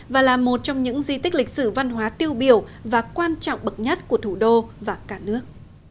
và là một trong những di tích lịch sử văn hóa tiêu biểu và quan trọng bậc nhất của thủ đô và cả nước